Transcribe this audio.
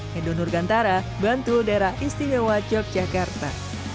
hedo nurgantara bantul daerah istimewa yogyakarta